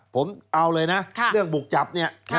ผมเอาเลยนะเรื่องบุกจับเนี่ย